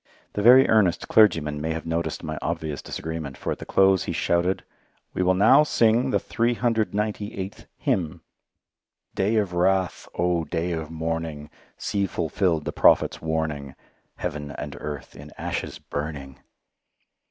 The very earnest clergyman may have noticed my obvious disagreement, for at the close he announced, "We will now sing the 398th hymn" "Day of Wrath, oh! Day of Mourning, See fulfilled the Prophet's warning, Heaven and earth in ashes burning."